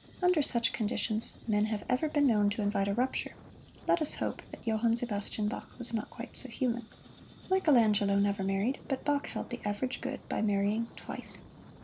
Under such conditions men have ever been known to invite a rupture let us hope that Johann Sebastian Bach was not quite so human. Michelangelo never married, but Bach held the average good by marrying twice.